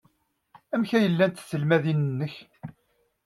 Amek ay llant tselmadin-nnek?